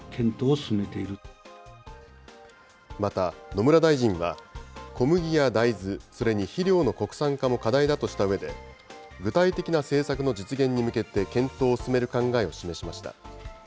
野村大臣は、小麦や大豆、それに肥料の国産化も課題だとしたうえで、具体的な政策の実現に向けて検討を進める考えを示しました。